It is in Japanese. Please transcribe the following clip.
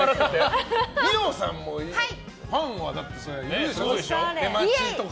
二葉さんもファンはいるでしょ。